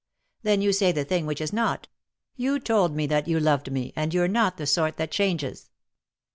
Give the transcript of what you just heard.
" Then you say the thing which is not. You told me that you loved me, and you're not the sort that changes."